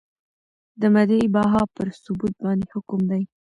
د مدعی بها پر ثبوت باندي حکم دی ؟